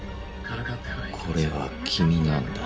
これは君なんだ